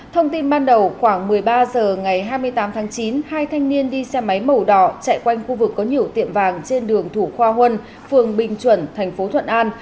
thông tin ban đầu khoảng một mươi ba h ngày hai mươi tám tháng chín hai thanh niên đi xe máy màu đỏ chạy quanh khu vực có nhiều tiệm vàng trên đường thủ khoa huân phường bình chuẩn thành phố thuận an